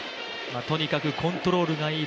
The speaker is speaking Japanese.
とにかくコントロールがいい